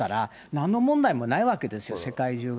なんの問題もないわけですよ、世界中は。